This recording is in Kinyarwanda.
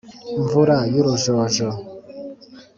nvura y’urujojo